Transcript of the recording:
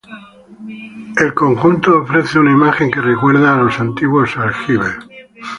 El conjunto ofrece una imagen que recuerda a los antiguos aljibes.